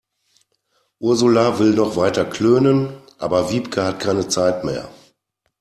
Ursula will noch weiter klönen, aber Wiebke hat keine Zeit mehr.